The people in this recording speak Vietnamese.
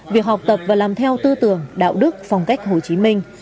việc học tập và làm theo tư tưởng đạo đức phong cách hồ chí minh